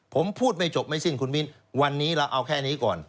ผมพูดไม่จบไม่สิ้นคุณมิ้นวันนี้เราเอาแค่นี้ก่อน